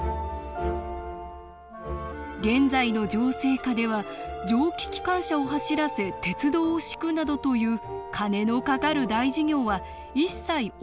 「現在の情勢下では蒸気機関車を走らせ鉄道を敷くなどという金のかかる大事業は一切行ってはならない。